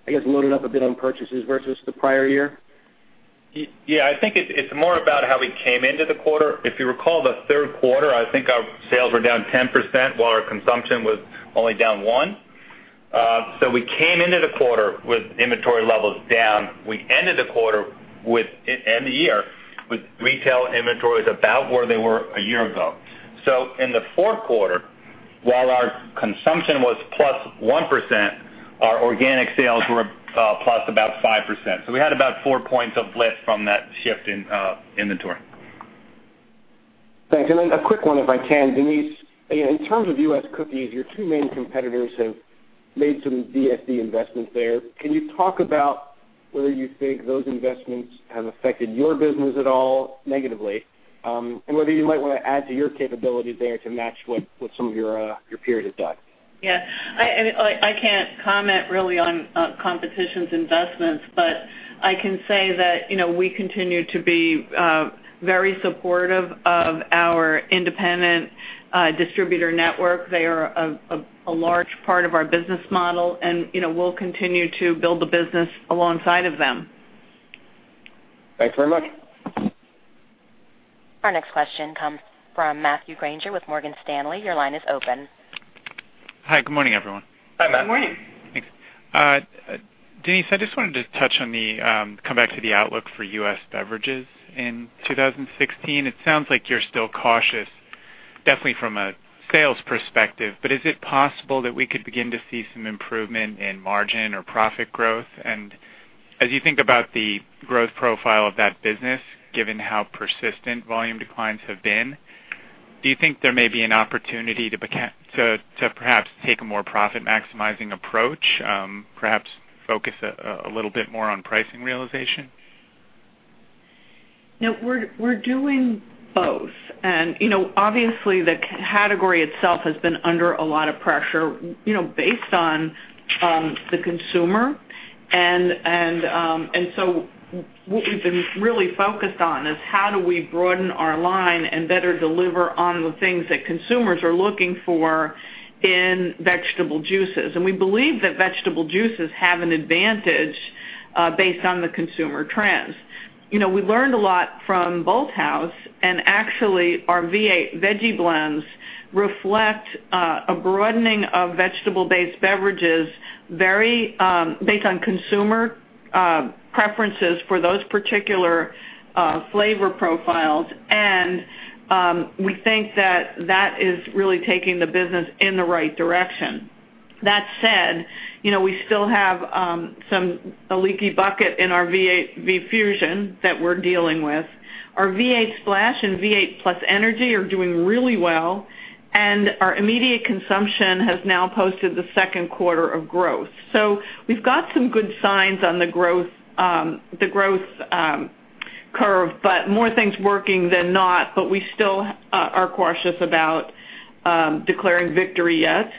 I guess, loaded up a bit on purchases versus the prior year? Yeah. I think it's more about how we came into the quarter. If you recall, the third quarter, I think our sales were down 10%, while our consumption was only down 1%. We came into the quarter with inventory levels down. We ended the year with retail inventories about where they were a year ago. In the fourth quarter, while our consumption was plus 1%, our organic sales were plus about 5%. We had about 4 points of lift from that shift in inventory. Thanks. A quick one, if I can. Denise, in terms of U.S. Cookies, your two main competitors have made some DSD investments there. Can you talk about whether you think those investments have affected your business at all negatively, and whether you might want to add to your capabilities there to match what some of your peers have done? Yeah. I can't comment really on competition's investments, but I can say that we continue to be very supportive of our independent distributor network. They are a large part of our business model, and we'll continue to build the business alongside of them. Thanks very much. Our next question comes from Matthew Grainger with Morgan Stanley. Your line is open. Hi, good morning, everyone. Hi, Matt. Good morning. Thanks. Denise, I just wanted to come back to the outlook for U.S. Beverages in 2016. It sounds like you're still cautious Definitely from a sales perspective, is it possible that we could begin to see some improvement in margin or profit growth? As you think about the growth profile of that business, given how persistent volume declines have been, do you think there may be an opportunity to perhaps take a more profit-maximizing approach, perhaps focus a little bit more on pricing realization? No, we're doing both. Obviously, the category itself has been under a lot of pressure based on the consumer. What we've been really focused on is how do we broaden our line and better deliver on the things that consumers are looking for in vegetable juices. We believe that vegetable juices have an advantage based on the consumer trends. We learned a lot from Bolthouse, and actually, our V8 Veggie Blends reflect a broadening of vegetable-based beverages based on consumer preferences for those particular flavor profiles, and we think that that is really taking the business in the right direction. That said, we still have a leaky bucket in our V8 V-Fusion that we're dealing with. Our V8 Splash and V8 +Energy are doing really well, and our immediate consumption has now posted the second quarter of growth. We've got some good signs on the growth curve, more things working than not, we still are cautious about declaring victory yet.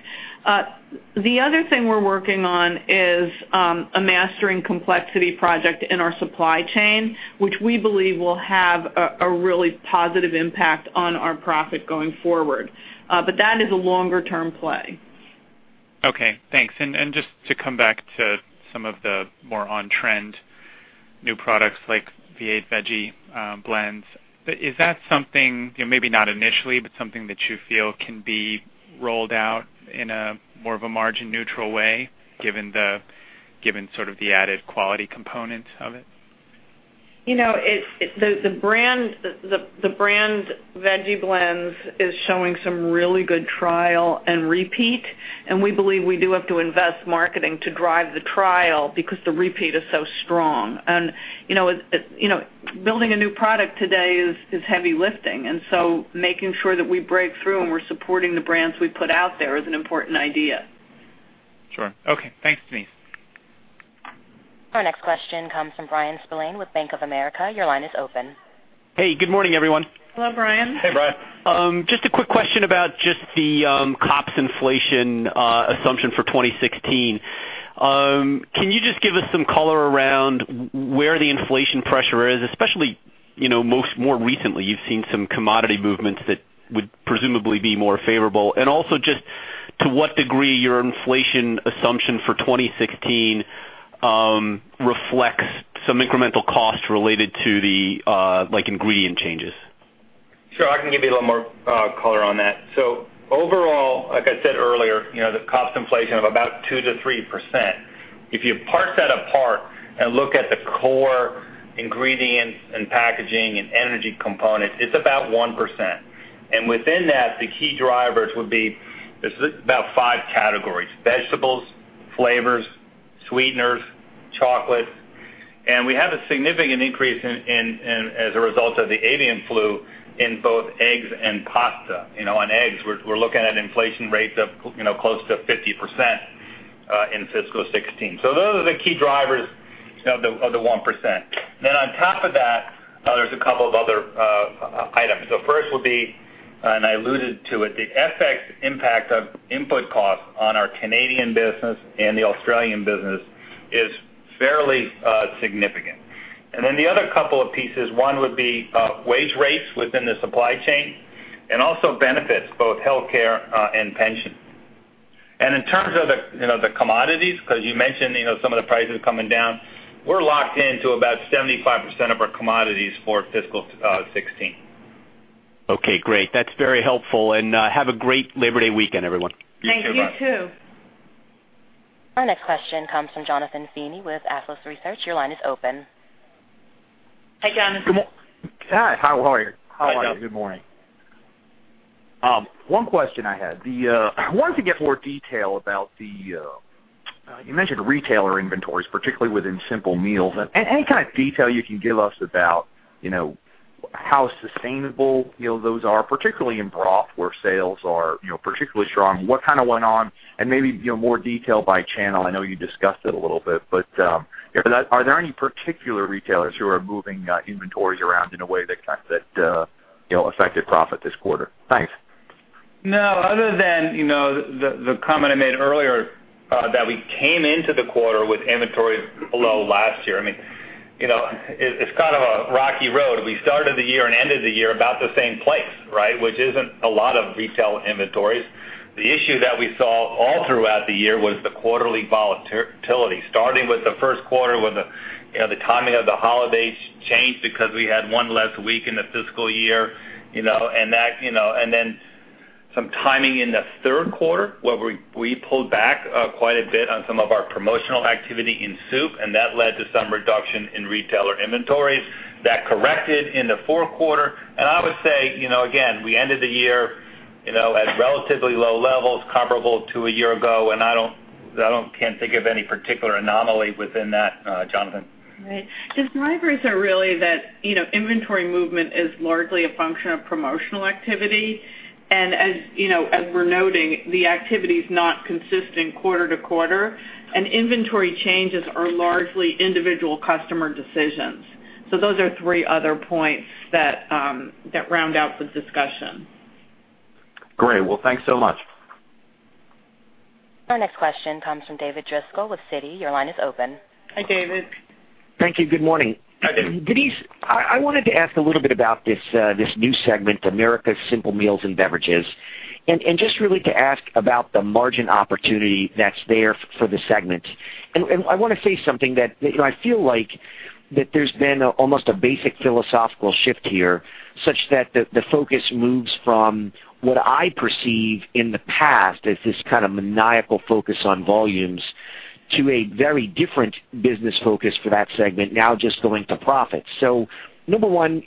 The other thing we're working on is a mastering complexity project in our supply chain, which we believe will have a really positive impact on our profit going forward. That is a longer-term play. Okay, thanks. Just to come back to some of the more on-trend new products like V8 Veggie Blends, is that something, maybe not initially, but something that you feel can be rolled out in a more of a margin-neutral way given the added quality component of it? The brand Veggie Blends is showing some really good trial and repeat. We believe we do have to invest marketing to drive the trial because the repeat is so strong. Building a new product today is heavy lifting. Making sure that we break through and we're supporting the brands we put out there is an important idea. Sure. Okay. Thanks, Denise. Our next question comes from Bryan Spillane with Bank of America. Your line is open. Hey, good morning, everyone. Hello, Bryan. Hey, Bryan. Just a quick question about just the COPS inflation assumption for 2016. Can you just give us some color around where the inflation pressure is? Especially more recently, you've seen some commodity movements that would presumably be more favorable. Also just to what degree your inflation assumption for 2016 reflects some incremental cost related to the ingredient changes. Sure. I can give you a little more color on that. Overall, like I said earlier, the cost inflation of about 2%-3%. If you parse that apart and look at the core ingredients and packaging and energy components, it's about 1%. Within that, the key drivers would be, there's about five categories: vegetables, flavors, sweeteners, chocolate, and we have a significant increase as a result of the avian flu in both eggs and pasta. On eggs, we're looking at inflation rates of close to 50% in fiscal 2016. Those are the key drivers of the 1%. On top of that, there's a couple of other items. First would be, and I alluded to it, the FX impact of input costs on our Canadian business and the Australian business is fairly significant. The other couple of pieces, one would be wage rates within the supply chain and also benefits, both healthcare and pension. In terms of the commodities, because you mentioned some of the prices coming down, we're locked in to about 75% of our commodities for fiscal 2016. Okay, great. That's very helpful, and have a great Labor Day weekend, everyone. You too, Bryan. Thanks. You too. Our next question comes from Jonathan Feeney with Athlos Research. Your line is open. Hi, Jonathan. Hi, how are you? Hi, Jon. How are you? Good morning. One question I had. I wanted to get more detail about the you mentioned retailer inventories, particularly within Simple Meals. Any kind of detail you can give us about how sustainable those are, particularly in broth, where sales are particularly strong. What kind of went on, maybe more detail by channel. I know you discussed it a little bit, are there any particular retailers who are moving inventories around in a way that affected profit this quarter? Thanks. No, other than the comment I made earlier that we came into the quarter with inventories below last year. It's kind of a rocky road. We started the year and ended the year about the same place, right? Which isn't a lot of retail inventories. The issue that we saw all throughout the year was the quarterly volatility, starting with the first quarter when the timing of the holidays changed because we had one less week in the fiscal year. Some timing in the third quarter where we pulled back quite a bit on some of our promotional activity in soup, that led to some reduction in retailer inventories. That corrected in the fourth quarter. I would say, again, we ended the year at relatively low levels comparable to a year ago, I can't think of any particular anomaly within that, Jonathan. Right. Just drivers are really that inventory movement is largely a function of promotional activity. As we're noting, the activity's not consistent quarter to quarter, inventory changes are largely individual customer decisions. Those are three other points that round out the discussion. Great. Well, thanks so much. Our next question comes from David Driscoll with Citi. Your line is open. Hi, David. Thank you. Good morning. Hi, David. Denise, I wanted to ask a little bit about this new segment, Americas Simple Meals and Beverages, and just really to ask about the margin opportunity that's there for the segment. I want to say something that I feel like that there's been almost a basic philosophical shift here, such that the focus moves from what I perceive in the past as this kind of maniacal focus on volumes to a very different business focus for that segment now just going to profit. Number 1,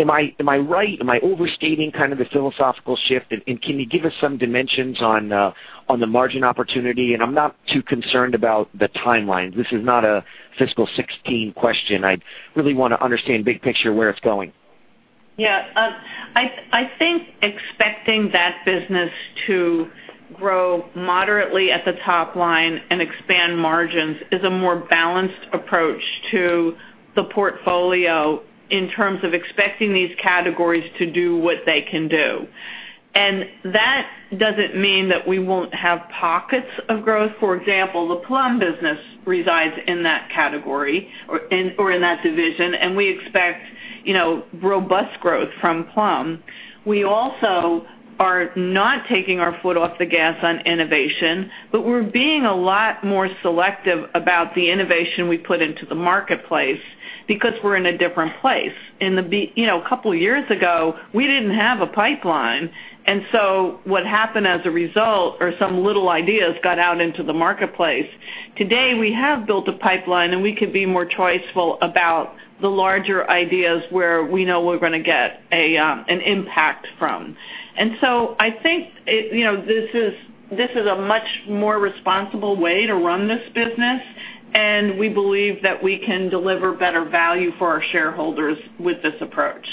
am I right? Am I overstating kind of the philosophical shift? Can you give us some dimensions on the margin opportunity? I'm not too concerned about the timeline. This is not a fiscal 2016 question. I really wanna understand big picture where it's going. I think expecting that business to grow moderately at the top line and expand margins is a more balanced approach to the portfolio in terms of expecting these categories to do what they can do. That doesn't mean that we won't have pockets of growth. For example, the Plum business resides in that category or in that division, and we expect robust growth from Plum. We also are not taking our foot off the gas on innovation, but we're being a lot more selective about the innovation we put into the marketplace because we're in a different place. A couple years ago, we didn't have a pipeline, and what happened as a result are some little ideas got out into the marketplace. Today, we have built a pipeline, and we could be more choiceful about the larger ideas where we know we're gonna get an impact from. I think this is a much more responsible way to run this business, and we believe that we can deliver better value for our shareholders with this approach.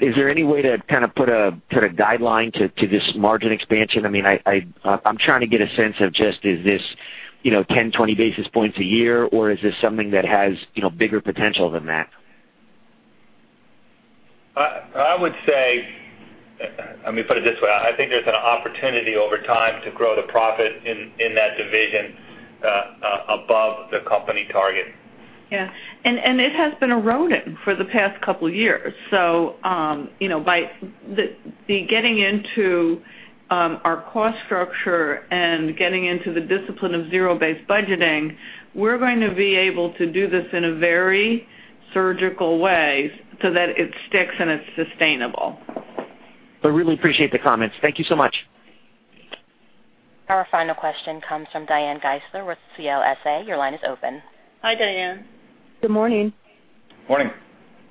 Is there any way to kind of put a guideline to this margin expansion? I'm trying to get a sense of just is this 10, 20 basis points a year, or is this something that has bigger potential than that? I would say, let me put it this way. I think there's an opportunity over time to grow the profit in that division above the company target. Yeah. It has been eroding for the past couple of years. By the getting into our cost structure and getting into the discipline of zero-based budgeting, we're going to be able to do this in a very surgical way so that it sticks and it's sustainable. I really appreciate the comments. Thank you so much. Our final question comes from Diane Geissler with CLSA. Your line is open. Hi, Diane. Good morning. Morning.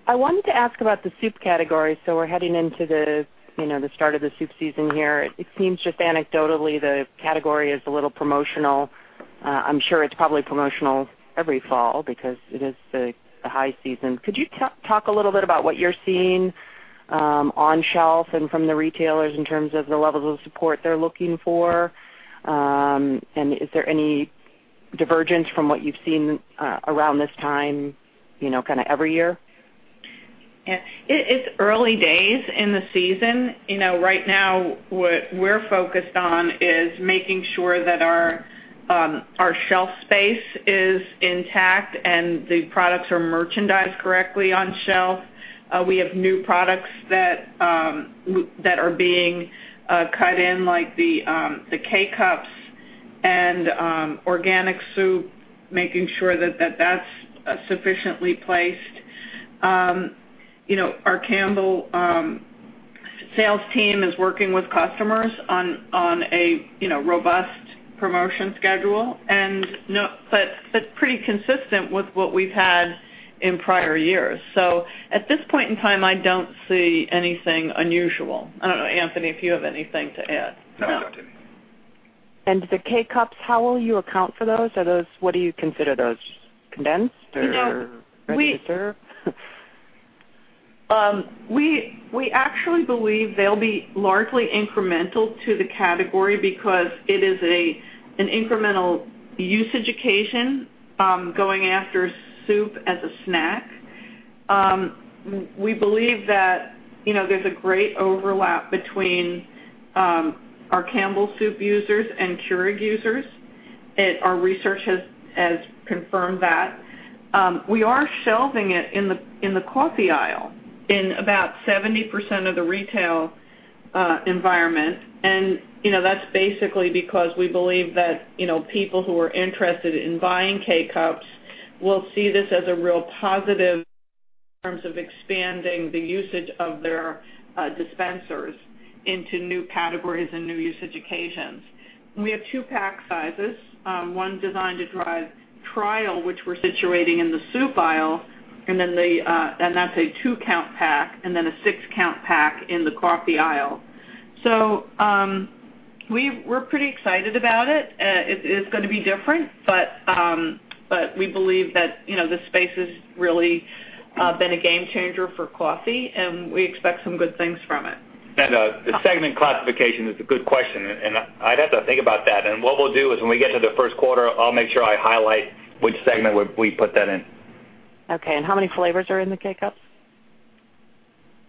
I wanted to ask about the soup category. We're heading into the start of the soup season here. It seems just anecdotally, the category is a little promotional. I'm sure it's probably promotional every fall because it is the high season. Could you talk a little bit about what you're seeing on shelf and from the retailers in terms of the levels of support they're looking for? And is there any divergence from what you've seen around this time kind of every year? Yeah. It's early days in the season. Right now, what we're focused on is making sure that our shelf space is intact and the products are merchandised correctly on shelf. We have new products that are being cut in, like the K-Cup and organic soup, making sure that that's sufficiently placed. Our Campbell sales team is working with customers on a robust promotion schedule pretty consistent with what we've had in prior years. At this point in time, I don't see anything unusual. I don't know, Anthony, if you have anything to add. No, I don't. The K-Cup, how will you account for those? What do you consider those, condensed or registered? We actually believe they'll be largely incremental to the category because it is an incremental usage occasion, going after soup as a snack. We believe that there's a great overlap between our Campbell Soup users and Keurig users. Our research has confirmed that. We are shelving it in the coffee aisle in about 70% of the retail environment. That's basically because we believe that people who are interested in buying K-Cups will see this as a real positive in terms of expanding the usage of their dispensers into new categories and new usage occasions. We have two pack sizes, one designed to drive trial, which we're situating in the soup aisle, and that's a two-count pack, and then a six-count pack in the coffee aisle. We're pretty excited about it. It is gonna be different, but we believe that the space has really been a game changer for coffee, and we expect some good things from it. The segment classification is a good question, and I'd have to think about that. What we'll do is when we get to the first quarter, I'll make sure I highlight which segment we put that in. Okay, and how many flavors are in the K-Cup?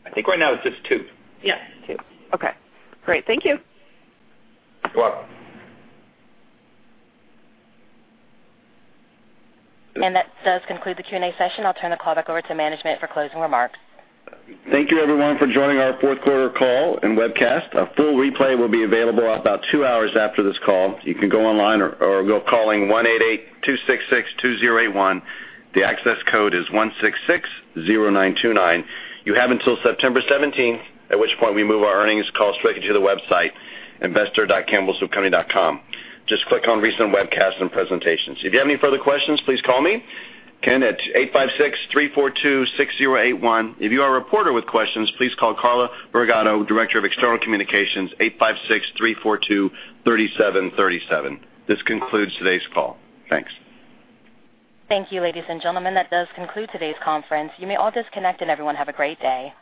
I think right now it's just two. Yes. Two. Okay, great. Thank you. You're welcome. That does conclude the Q&A session. I'll turn the call back over to management for closing remarks. Thank you everyone for joining our fourth quarter call and webcast. A full replay will be available about two hours after this call. You can go online or go calling one eight eight two six six two zero eight one. The access code is one six six zero nine two nine. You have until September 17th, at which point we move our earnings call straight to the website, investor.campbellsoupcompany.com. Just click on Recent Webcasts and Presentations. If you have any further questions, please call me, Ken, at eight five six three four two six zero eight one. If you are a reporter with questions, please call Carla Burigatto, Director of External Communications, eight five six three four two 37 37. This concludes today's call. Thanks. Thank you, ladies and gentlemen. That does conclude today's conference. You may all disconnect and everyone have a great day.